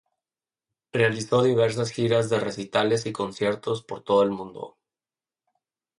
Realizó diversas giras de recitales y conciertos por todo el mundo.